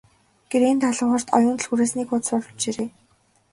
Гэрийн даалгаварт Оюун түлхүүрээс нэг хуудас хуулж бичээрэй.